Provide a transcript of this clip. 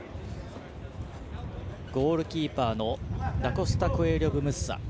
ゴールキーパーのダコスタコエーリョブムッサ。